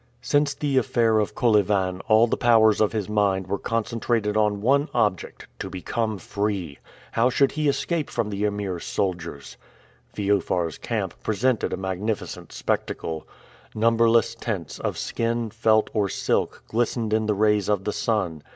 Since the affair of Kolyvan all the powers of his mind were concentrated on one object to become free! How should he escape from the Emir's soldiers? Feofar's camp presented a magnificent spectacle. Numberless tents, of skin, felt, or silk, glistened in the rays of the sun.